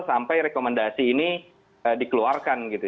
sampai rekomendasi ini dikeluarkan gitu